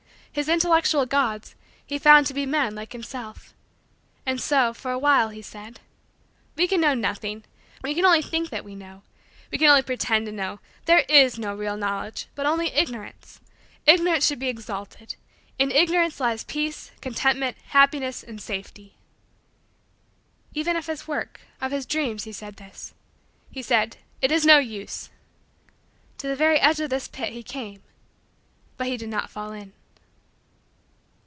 His intellectual Gods, he found to be men like himself. And so, for a while, he said: "We can know nothing. We can only think that we know. We can only pretend to know. There is no real Knowledge but only Ignorance. Ignorance should be exalted. In Ignorance lies peace, contentment, happiness, and safety." Even of his work of his dreams he said this. He said: "It is no use." To the very edge of this pit he came but he did not fall in.